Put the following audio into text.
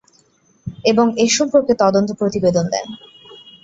এবং এ সম্পর্কে তদন্ত প্রতিবেদন দেন।